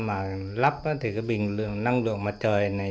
mà lắp thì cái bình năng lượng mặt trời này